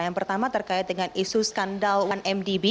yang pertama terkait dengan isu skandal satu mdb